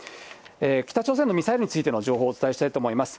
北朝鮮のミサイルについての情報をお伝えしたいと思います。